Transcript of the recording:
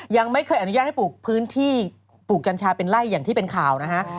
ยังไม่เคยอนุญาตให้ปลูกพื้นที่ปลูกกัญชาเป็นไล่อย่างที่เป็นข่าวนะฮะ